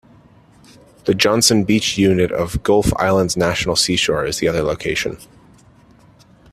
The Johnson Beach Unit of Gulf Islands National Seashore is the other location.